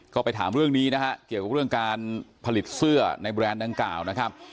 ก็ไปถามเรื่องนี้นะฮะเกี่ยวกับเรื่องการผลิตเสื้อในแบรนด์ดังกล่าวนะครับ